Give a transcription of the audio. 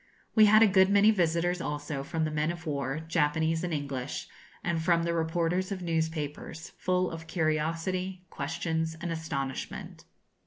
We had a good many visitors also from the men of war, Japanese and English, and from the reporters of newspapers, full of curiosity, questions, and astonishment.